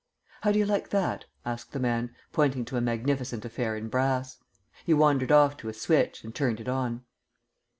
"How do you like that?" asked the man, pointing to a magnificent affair in brass. He wandered off to a switch, and turned it on.